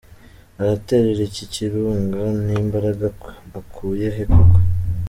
Araterera iki kirunga n’imbaraga akuye he koko?